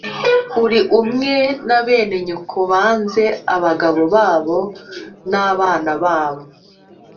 uri umwe na bene nyoko banze abagabo babo n’abana babo